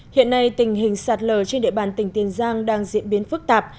hiện nay tình hình sạt lở trên địa bàn tỉnh tiền giang đang diễn biến phức tạp